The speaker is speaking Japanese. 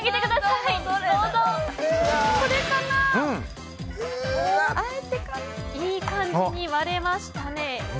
いい感じに割れましたね。